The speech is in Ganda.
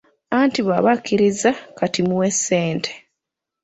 Anti bw’aba akkirizza kati muwe ssente.